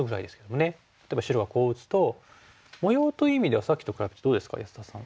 例えば白がこう打つと模様という意味ではさっきと比べてどうですか安田さん。